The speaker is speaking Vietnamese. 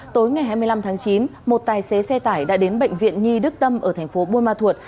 tối ngày hai mươi năm tháng chín một tài xế xe tải đã đến bệnh viện nhi đức tâm ở thành phố buôn ma thuột